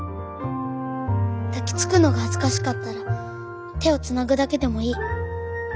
抱きつくのが恥ずかしかったら手をつなぐだけでもいい。